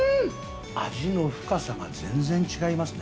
味の深さが全然違いますね